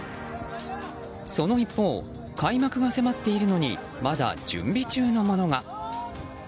その一方開幕が迫っているのにまだ準備中のものが。